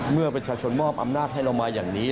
เมื่อประชาชนมอบอำนาจให้เรามาอย่างนี้